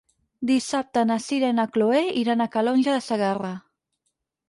Dissabte na Sira i na Chloé iran a Calonge de Segarra.